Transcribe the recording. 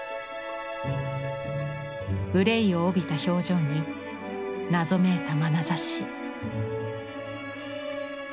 愁いを帯びた表情に謎めいたまなざし。